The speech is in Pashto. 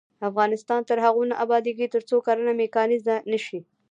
افغانستان تر هغو نه ابادیږي، ترڅو کرنه میکانیزه نشي.